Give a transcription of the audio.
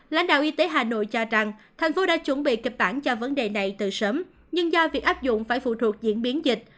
lãnh đạo y tế hà nội cho rằng thành phố đã chuẩn bị kịch bản cho vấn đề này từ sớm nhưng do việc áp dụng phải phụ thuộc diễn biến dịch